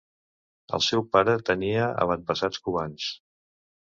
El seu pare tenia avantpassats cubans.